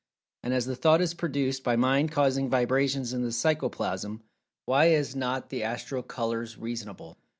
And as Thought is produced by Mind causing vibrations in the Psychoplasm, why is not the Astral Colors reasonable?